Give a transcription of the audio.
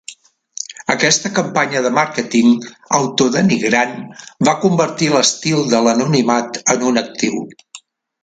Aquesta campanya de màrqueting autodenigrant va convertir l'estil de l'anonimat en un actiu.